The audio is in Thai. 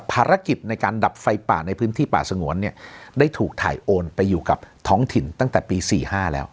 ภารกิจในการดับไฟป่าในพื้นที่ป่าสงวนเนี่ยได้ถูกถ่ายโอนไปอยู่กับท้องถิ่นตั้งแต่ปี๔๕แล้ว